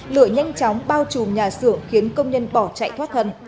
lửa nhanh chóng bao trùm nhà xưởng khiến công nhân bỏ chạy thoát thần